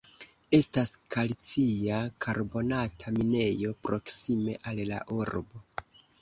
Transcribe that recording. Estas kalcia karbonata minejo proksime al la urbo.